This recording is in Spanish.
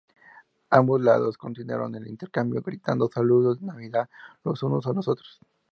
Ambos lados continuaron el intercambio gritando saludos de Navidad los unos a los otros.